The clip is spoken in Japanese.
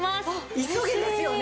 急げですよね。